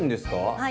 はい。